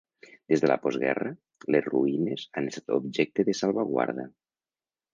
Des de la postguerra, les ruïnes han estat objecte de salvaguarda.